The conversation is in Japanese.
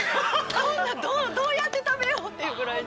こんなどうやって食べようっていうぐらいに。